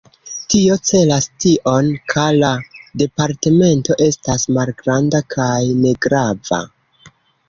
Tio celas tion, ka la departemento estas malgranda kaj negrava.